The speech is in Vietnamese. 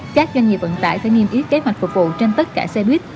các doanh nghiệp vận tải phải nghiêm ý kế hoạch phục vụ trên tất cả xe buýt